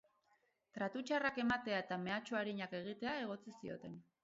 Tratu txarrak ematea eta mehatxu arinak egitea egotzi zioten.